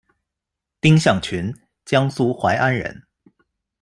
丁向群，江苏淮安人。